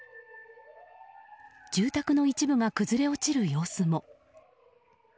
住宅の一部が崩れ落ちる様子も。